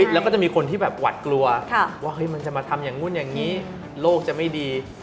แล้วก็จะมีคนที่แบบหวัดกลัวว่ามันจะมาทำอย่างนู้นอย่างนี้โลกจะไม่ดี